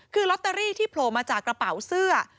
คือลอตเตอรี่ที่โผล่มาจากกระเป๋าเสื้อ